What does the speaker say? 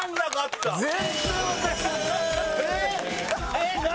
えっ何？